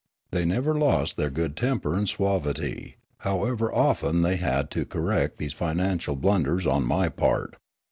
They never lost their good temper and suavity, however often they had to correct these financial blun ders on my part.